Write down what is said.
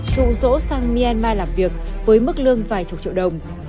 dụ dỗ sang myanmar làm việc với mức lương vài chục triệu đồng